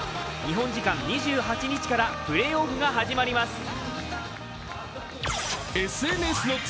日本時間２８日からプレーオフが始まります。